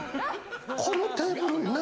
このテーブル何？